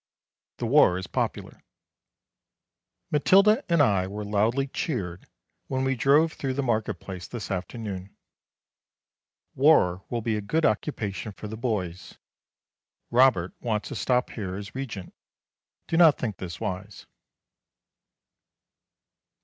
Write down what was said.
The war is popular. Matilda and I were loudly cheered when we drove through the market place this afternoon. War will be a good occupation for the boys. Robert wants to stop here as Regent. Do not think this wise.